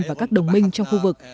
và các đồng minh trong khu vực